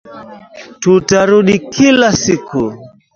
Tutarudi kila siku